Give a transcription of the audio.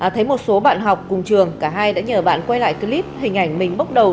thấy một số bạn học cùng trường cả hai đã nhờ bạn quay lại clip hình ảnh mình bốc đầu